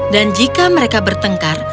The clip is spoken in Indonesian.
dan jika mereka bertengkar